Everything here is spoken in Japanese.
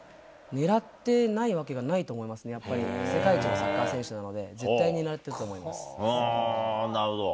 狙ってないわけがないと思いますね、やっぱり、世界一のサッカー選手なので、絶対に狙ってるなるほど。